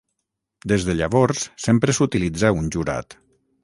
Des de llavors, sempre s'utilitza un jurat.